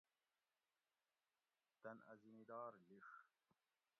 تۤن اۤ زمیدار لِیڛ